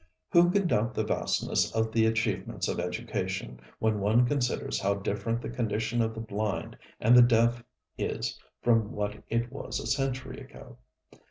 ŌĆØ Who can doubt the vastness of the achievements of education when one considers how different the condition of the blind and the deaf is from what it was a century ago?